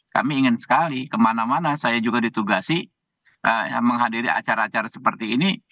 kami ingin sekali kemana mana saya juga ditugasi menghadiri acara acara seperti ini